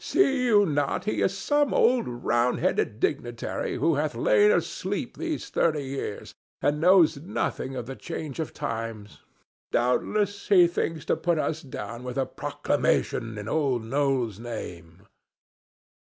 "See you not he is some old round headed dignitary who hath lain asleep these thirty years and knows nothing of the change of times? Doubtless he thinks to put us down with a proclamation in Old Noll's name."